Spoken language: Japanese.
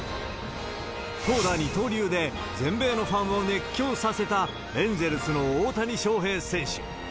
投打二刀流で全米のファンを熱狂させた、エンゼルスの大谷翔平選手。